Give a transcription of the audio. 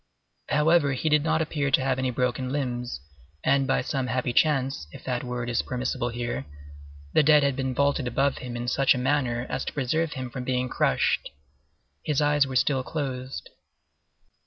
However, he did not appear to have any broken limbs, and, by some happy chance, if that word is permissible here, the dead had been vaulted above him in such a manner as to preserve him from being crushed. His eyes were still closed.